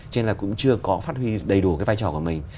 cho nên là cũng chưa có phát huy đầy đủ cái vai trò của mình